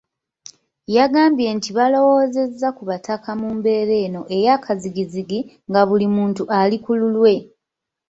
Yagambye nti balowoozezza ku Bataka mu mbeera eno eyakazigizigi nga buli muntu ali kululwe.